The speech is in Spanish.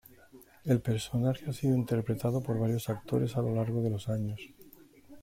El personaje ha sido interpretado por varios actores a lo largo de los años.